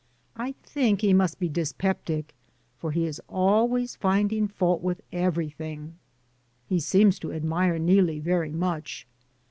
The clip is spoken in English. I think he must be dyspeptic, for he is always finding fault with everything. He seems to admire Neelie very much.